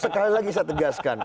sekali lagi saya tegaskan